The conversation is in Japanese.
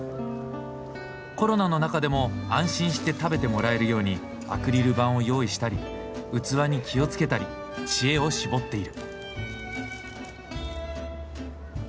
コロナの中でも安心して食べてもらえるようにアクリル板を用意したり器に気を付けたり知恵を絞っている。